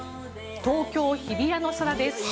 東京・日比谷の空です。